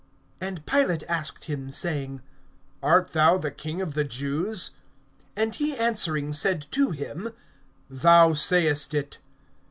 (3)And Pilate asked him, saying: Art thou the King of the Jews? And he answering said to him: Thou sayest it.